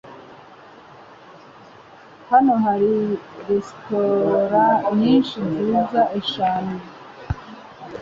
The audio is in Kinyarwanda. Hano hari resitora nyinshi nziza s